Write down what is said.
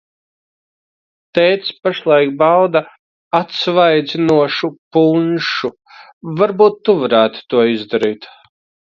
Tētis pašlaik bauda atsvaidzinošu punšu, varbūt tu varētu to izdarīt?